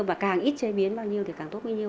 và càng ít chế biến bao nhiêu thì càng tốt như như